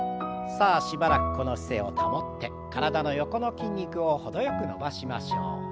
さあしばらくこの姿勢を保って体の横の筋肉を程よく伸ばしましょう。